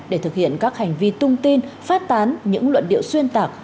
để thực hiện các hành vi tung tin phát tán những luận điệu xuyên tạc